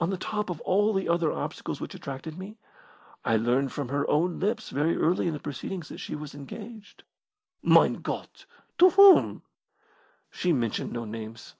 On the top of all the other obstacles which attracted me, I learned from her own lips very early in the proceedings that she was engaged." "Mein Gott! To whom?" "She mentioned no names."